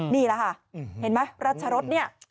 นี่ล่ะค่ะเห็นไหมรัชรศ